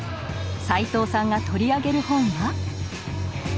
斎藤さんが取り上げる本は？